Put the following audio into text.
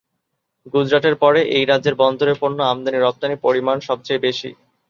গুজরাটের পরে এই রাজ্যের বন্দরের পণ্য আমদানি রপ্তানি পরিমাণ সবচেয় বেশি।